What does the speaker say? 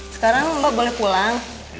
sekarang mbak boleh pulang